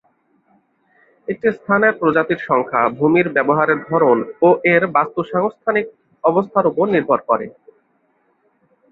একটি স্থানের প্রজাতির সংখ্যা ভূমির ব্যবহারের ধরন ও এর বাস্ত্তসংস্থানিক অবস্থার ওপর নির্ভর করে।